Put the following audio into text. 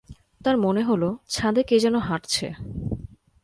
তার মনে হলো ছাদে কে যেন হাঁটছে।